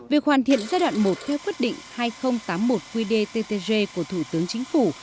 việc hoàn thiện giai đoạn một theo quyết định hai nghìn tám mươi một qdttg của thủ tướng chính phủ